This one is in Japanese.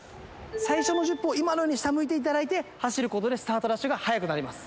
「最初の１０歩を今のように下向いていただいて走る事でスタートダッシュが速くなります」